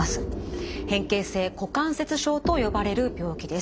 変形性股関節症と呼ばれる病気です。